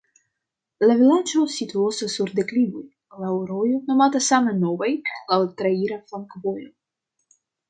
La vilaĝo situas sur deklivoj, laŭ rojo nomata same Novaj, laŭ traira flankovojo.